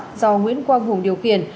do nguyễn quang hùng điều kiện